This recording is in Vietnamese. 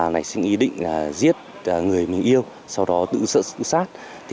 ngày sinh ý định giết người mình yêu sau đó tự sợ tự sát